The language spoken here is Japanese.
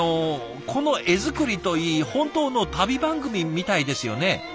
この画作りといい本当の旅番組みたいですよね。